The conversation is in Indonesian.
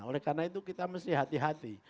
oleh karena itu kita mesti hati hati